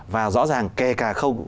và rõ ràng kể cả khâu